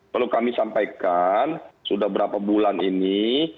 perlu kami sampaikan sudah berapa bulan ini